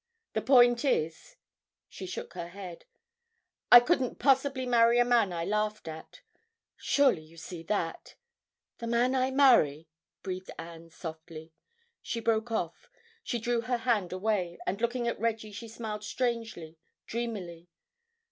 The point is"—she shook her head—"I couldn't possibly marry a man I laughed at. Surely you see that. The man I marry—" breathed Anne softly. She broke off. She drew her hand away, and looking at Reggie she smiled strangely, dreamily.